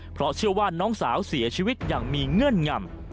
เพราะเชื่อว่าน้องสาวเสียชีวิตอย่างมีเงื่อนงำ